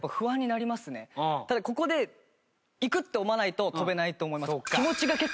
ただここでいくって思わないと跳べないと思います。